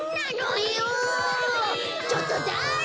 ちょっとだれ？